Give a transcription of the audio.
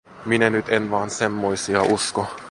Minä nyt en vaan semmoisia usko.